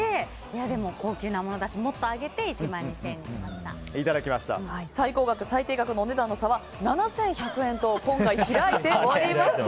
でも、高級なものだしもっと上げて最高額、最低額のお値段の差は７１００円と今回、開いております。